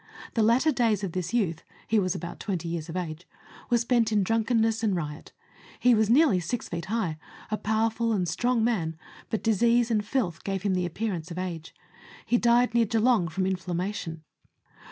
The latter days of this youth (he was about twenty years of age) were spent in drunkenness and riot. He was nearly six feet high, a powerful and strong man, but disease and filth gave him the appearance of age. He died nearGeelong from inflammation.